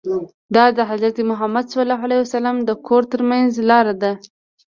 دا د حضرت محمد ص د کور ترمنځ لاره ده.